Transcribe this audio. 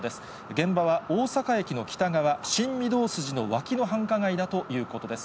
現場は大阪駅の北側、新御堂筋の脇の繁華街だということです。